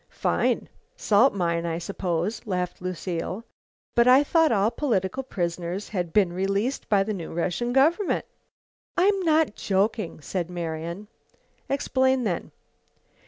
"Fine! Salt mine, I suppose," laughed Lucile. "But I thought all political prisoners had been released by the new Russian government?" "I'm not joking," said Marian. "Explain then."